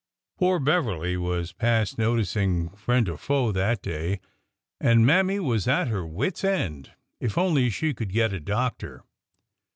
Poor Beverly was past noticing friend or foe that day, and Mammy was at her wits' end. If only she could get a doctor!